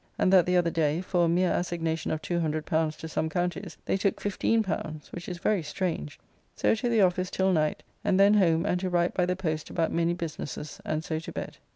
and that the other day, for a mere assignation of L200 to some counties, they took L15 which is very strange. So to the office till night, and then home and to write by the post about many businesses, and so to bed.